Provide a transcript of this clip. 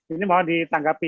ini mohon ditanggapi